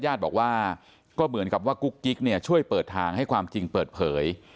ญาติบอกว่าก็เหมือนกับว่ากุ๊กกิ๊กเนี่ยช่วยเปิดทางให้ความจริงเปิดเผย